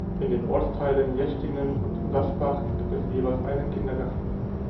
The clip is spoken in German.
In den Ortsteilen Jechtingen und Sasbach gibt es jeweils einen Kindergarten.